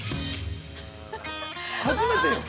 ◆初めて。